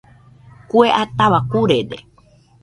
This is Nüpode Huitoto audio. Kue ataua kurede.